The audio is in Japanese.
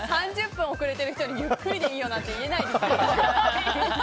３０分遅れてる人にゆっくりでいいよなんて言えないですよ。